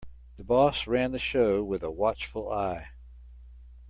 The boss ran the show with a watchful eye.